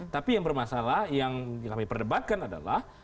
tapi yang bermasalah yang kami perdebatkan adalah